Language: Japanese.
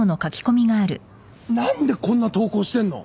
何でこんな投稿してんの？